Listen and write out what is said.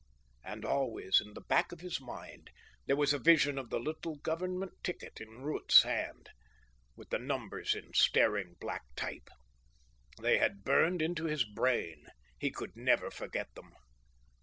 And always, in the back of his mind, there was a vision of the little Government ticket in Ruth's hand, with the numbers in staring black type. They had burned into his brain. He could never forget them.